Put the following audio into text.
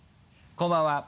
こんばんは。